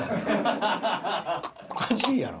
おかしいやろ。